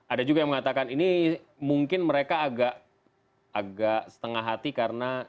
ada juga yang mengatakan ini mungkin mereka agak setengah hati karena